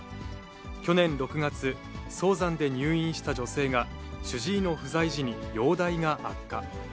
去年６月、早産で入院した女性が、主治医の不在時に容体が悪化。